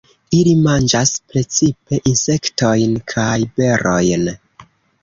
Ili manĝas precipe insektojn kaj berojn.